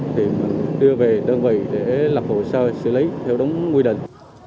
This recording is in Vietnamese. thì đưa về đơn vị để lập hồ sơ xử lý theo đúng quy định